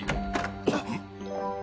あっ。